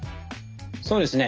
そうですね。